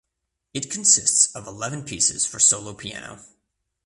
It consists of eleven pieces for solo piano.